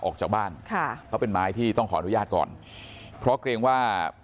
ออกจากบ้านค่ะเขาเป็นไม้ที่ต้องขออนุญาตก่อนเพราะเกรงว่า